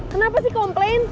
kenapa sih komplain